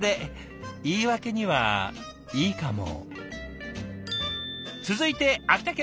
言い訳にはいいかも。